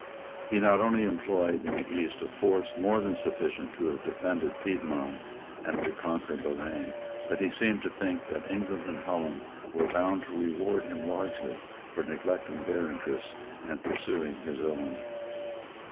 He not only employed in the East a force more than sufficient to have defended Piedmont and reconquered Loraine; but he seemed to think that England and Holland were bound to reward him largely for neglecting their interests and pursuing his own.